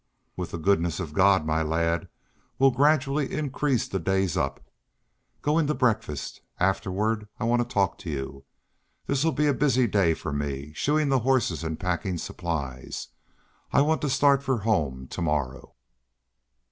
"With the goodness of God, my lad, we'll gradually increase the days up. Go in to breakfast. Afterward I want to talk to you. This'll be a busy day for me, shoeing the horses and packing supplies. I want to start for home to morrow."